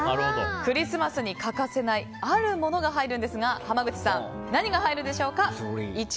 クリスマスに欠かせないあるものが入るんですが濱口さん、何が入るでしょうか？